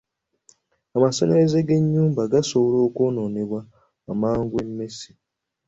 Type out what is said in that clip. Amasannyalaze g'enjuba gasobola okwonoonebwa amangu emmese.